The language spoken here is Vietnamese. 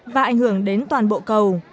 và ảnh hưởng đến toàn bộ cầu